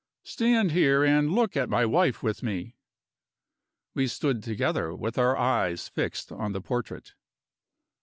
Stand here, and look at my wife with me." We stood together, with our eyes fixed on the portrait.